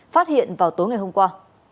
phát hiện vào tối ngày hôm qua